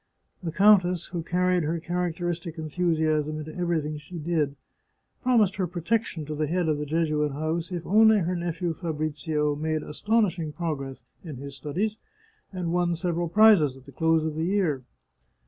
The countess, who carried her char acteristic enthusiasm into everything she did, promised her protection to the head of the Jesuit house if only her nephew Fabrizio made astonishing progress in his studies, and won several prizes at the close of the year.